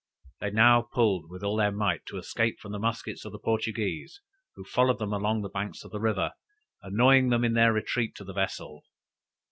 They now pulled with all their might to escape from the muskets of the Portuguese, who followed them along the banks of the river, annoying them in their retreat to the vessel.